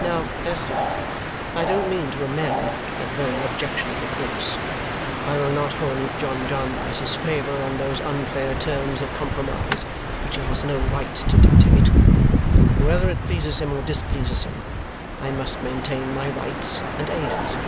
Now, Esther, I don't mean to amend that very objectionable course: I will not hold John Jarndyce's favour on those unfair terms of compromise, which he has no right to dictate. Whether it pleases him or displeases him, I must maintain my rights and Ada's.